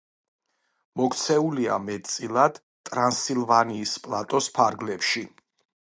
მოქცეულია მეტწილად ტრანსილვანიის პლატოს ფარგლებში.